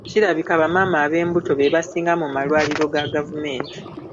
Kirabika bamaama ab'embuto be basinga mu malwaliro ga gavumenti.